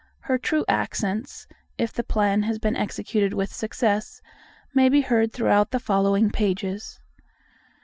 Her true accents, if the plan has been executed with success, may be heard throughout the following pages.